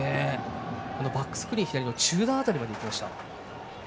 バックスクリーン左の中段辺りまでいきました。